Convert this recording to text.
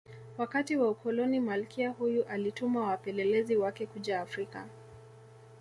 Wakati wa Ukoloni Malkia huyu alituma wapelelezi wake kuja Afrika